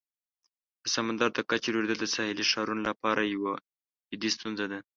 د سمندر د کچې لوړیدل د ساحلي ښارونو لپاره یوه جدي ستونزه ده.